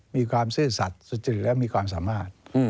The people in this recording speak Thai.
ซื่อสัตว์สุจริตและมีความสามารถ